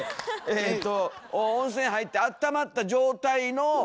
えと温泉入ってあったまった状態の。